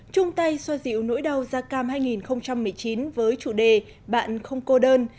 trung tay xoa dịu nỗi đau da cam hai nghìn một mươi chín với chủ đề bạn không cô đơn